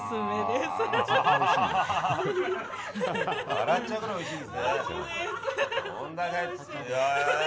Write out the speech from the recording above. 笑っちゃうくらいおいしいですね。